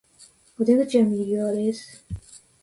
お出口は右側です